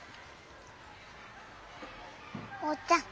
おうちゃん。